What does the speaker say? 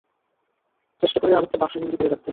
চেষ্টা করি আবেগকে বাক্সবন্দি করে রাখতে।